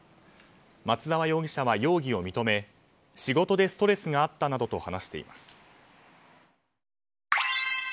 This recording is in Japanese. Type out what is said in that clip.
松沢容疑者は、容疑を認め仕事でストレスがあったなどと話しています。